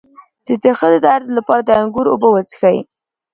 د تخه د درد لپاره د انګور اوبه وڅښئ